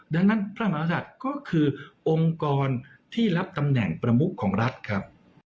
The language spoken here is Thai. ดังนั้นพระมหาศัตริย์ก็คือองค์กรที่รับตำแหน่งประมุขของรัฐครับ